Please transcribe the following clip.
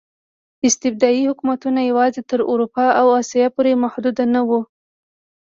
استبدادي حکومتونه یوازې تر اروپا او اسیا پورې محدود نه وو.